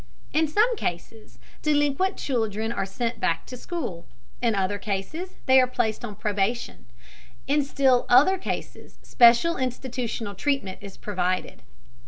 In some cases delinquent children are sent back to school, in other cases they are placed on probation, in still other cases special institutional treatment is provided.